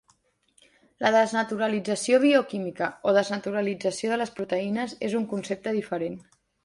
La desnaturalització bioquímica o desnaturalització de les proteïnes és un concepte diferent.